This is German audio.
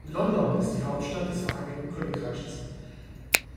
London ist die Hauptstadt des Vereinigten Königreichs.